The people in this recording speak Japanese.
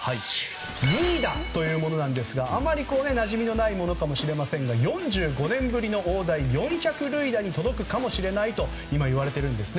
塁打というものですがあまり馴染みのないものですが４５年ぶりの大台、４００塁打に届くかもしれないと今、言われているんです。